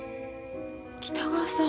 北川さん。